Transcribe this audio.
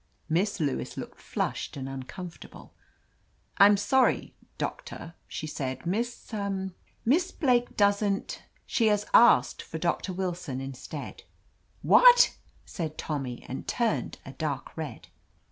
Miss Lewis looked flushed and uncomfort able. Tm sorry, Doctor," she said. *'Miss — Miss Blake doesn't — ^she has asked for Doctor Will son instead." "What!" said Tommy, and turned a dark red.